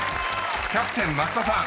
［キャプテン増田さん